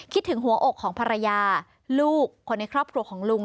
ถึงหัวอกของภรรยาลูกคนในครอบครัวของลุง